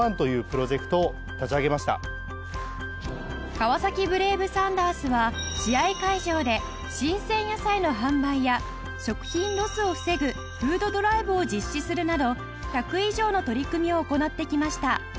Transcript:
川崎ブレイブサンダースは試合会場で新鮮野菜の販売や食品ロスを防ぐフードドライブを実施するなど１００以上の取り組みを行ってきました